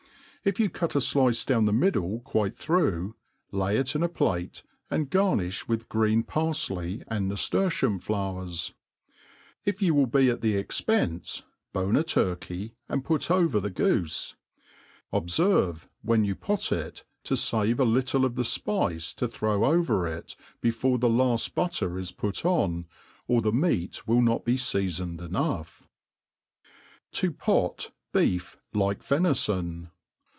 If you cut a nice down the middle quite through, lay it in a plate, afid garnifii with green parfky apd naftertium flowers. > If you . wi:i MADE PLAIN AND EASY. 261 Will be at the expence, bone a turkey, and put over the goofe. Obferve, when you pot it, to favc a little of the fpice to throw over it, before the laft butter is put on, or the meat will not be feafoned enough. 75? pot Beef Jih^ Ventfon.